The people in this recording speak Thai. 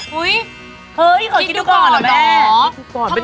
เฮ้ยขอยกินดูก่อนเหรอ